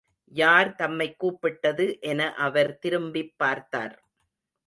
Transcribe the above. யார் தம்மைக் கூப்பிட்டது என அவர் திரும்பிப் பார்த்தார்.